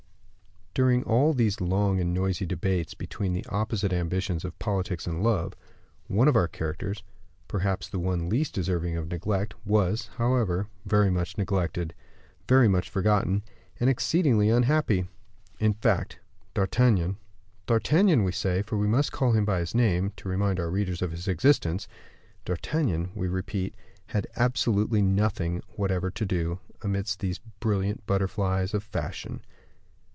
During all these long and noisy debates between the opposite ambitions of politics and love, one of our characters, perhaps the one least deserving of neglect, was, however, very much neglected, very much forgotten, and exceedingly unhappy. In fact, D'Artagnan D'Artagnan, we say, for we must call him by his name, to remind our readers of his existence D'Artagnan, we repeat, had absolutely nothing whatever to do, amidst these brilliant butterflies of fashion.